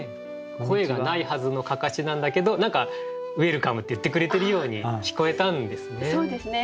声がないはずの案山子なんだけど何か「ウエルカム」って言ってくれてるように聞こえたんですね。